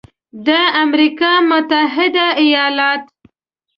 د امریکا متحده ایالات